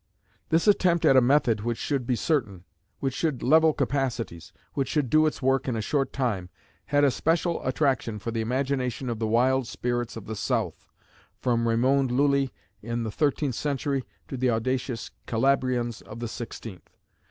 This attempt at a method which should be certain, which should level capacities, which should do its work in a short time, had a special attraction for the imagination of the wild spirits of the South, from Raimond Lulli in the thirteenth century to the audacious Calabrians of the sixteenth.